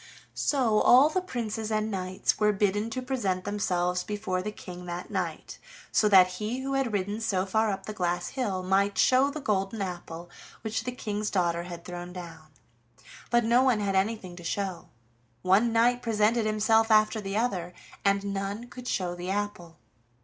So all the princes and knights were bidden to present themselves before the King that night, so that he who had ridden so far up the glass hill might show the golden apple which the King's daughter had thrown down. But no one had anything to show. One knight presented himself after the other, and none could show the apple.